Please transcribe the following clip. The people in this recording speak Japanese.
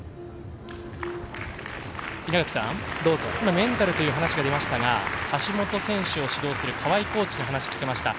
稲垣さんメンタルという話が出ましたが橋本選手を指導する川井コーチに話を聞けました。